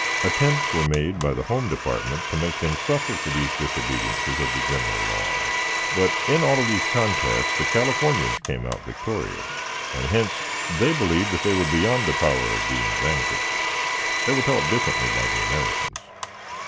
Attempts were made by the home department to make them suffer for these disobediences of the general laws, but, in all of these contests, the Californians came out victorious, and hence they believed they were beyond the power of being vanquished. They were taught differently by the Americans.